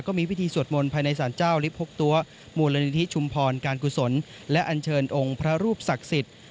ก็มีพิธีสวดมนต์ภายในสารเจ้าลิฟต์๖ตัวมูลนิธิชุมพรการกุศลและอัญเชิญองค์พระรูปศักดิ์สิทธิ์